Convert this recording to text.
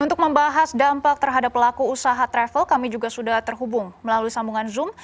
untuk membahas dampak terhadap pelaku usaha travel kami juga sudah terhubung melalui sambungan zoom